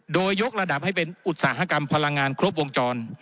โดยยกระดับให้เป็นอุตสาหกรรมพลังงานครบวงจร